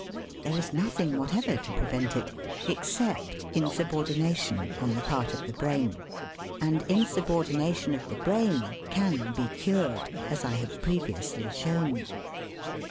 There is nothing whatever to prevent it except insubordination on the part of the brain. And insubordination of the brain can be cured, as I have previously shown.